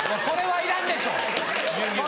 それはいらんですよ。